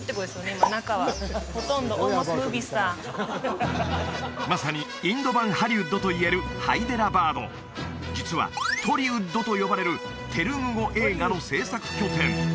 今中はほとんどオールモストムービースターまさにインド版ハリウッドといえるハイデラバード実はトリウッドと呼ばれるテルグ語映画の製作拠点